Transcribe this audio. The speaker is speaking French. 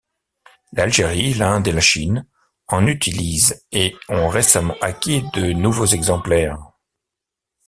L'Algérie, l'Inde et la Chine en utilisent et ont récemment acquis de nouveaux exemplaires.